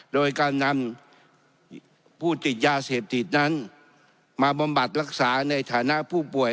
โดยการนำผู้ติดยาเสพติดนั้นมาบำบัดรักษาในฐานะผู้ป่วย